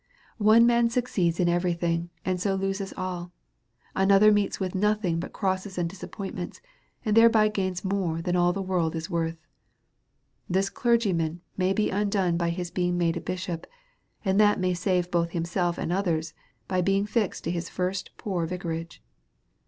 Ojie man succeeds in every thing, and so loses all : another meets with nothing but crosses and disap pointments, and thereby gains more than all the world is worth. This x^lergyman may be undone by his being made a bishop; and that may save both himself and others, by being fixed to his first poor vicarage.